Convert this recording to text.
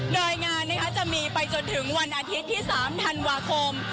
โดยงานจะมีไปจนถึงวันอาทิตย์ที่๓ธันวาคม